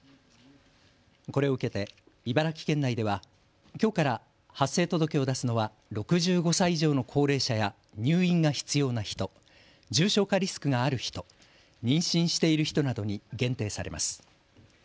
これを受けて茨城県内ではきょうから発生届を出すのは６５歳以上の高齢者や入院が必要な人、重症化リスクがある人、妊娠している人などに限定されます。